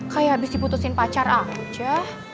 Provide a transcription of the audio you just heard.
kayak habis diputusin pacar aja